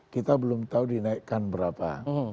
kita belum tahu dinaikkan berapa